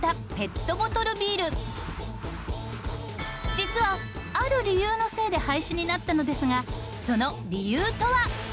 実はある理由のせいで廃止になったのですがその理由とは？